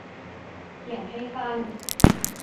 เขียนให้สั้น